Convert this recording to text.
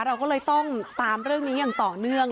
เราก็เลยต้องตามเรื่องนี้อย่างต่อเนื่อง